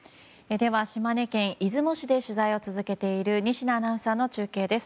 では、島根県出雲市で取材を続けている仁科アナウンサーの中継です。